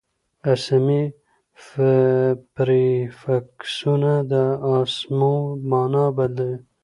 اسمي پریفکسونه د اسمو مانا بدلوي.